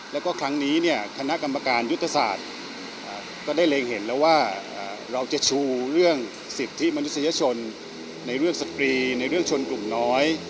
แล้วก็ครั้งนี้เนี่ยคณะกรรมการยุทธศาสตร์ก็ได้เล็งเห็นแล้วว่าเราจะชูเรื่องสิทธิมนุษยชนในเรื่องสตรีในเรื่องชนกลุ่มน้อย